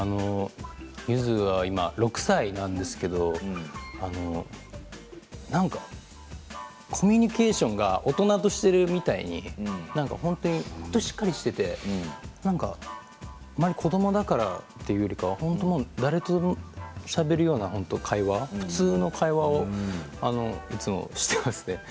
ゆずは今６歳なんですけれど、なんかコミュニケーションが大人としているみたいに本当にしっかりしていてあまり子どもだからというよりは誰とでもしゃべるような会話普通の会話をいつもしています。